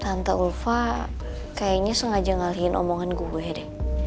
santa ulfa kayaknya sengaja ngalihin omongan gue deh